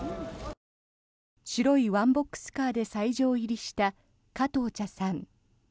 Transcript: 白いワンボックスカーで斎場入りした、加藤茶さん。